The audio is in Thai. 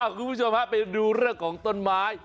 คุณผู้ชมฮะไปดูเรื่องของต้นไม้